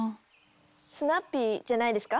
「スナッピー」じゃないですか？